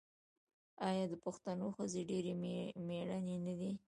آیا د پښتنو ښځې ډیرې میړنۍ نه دي؟